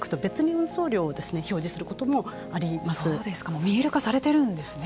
もう見える化されているんですね。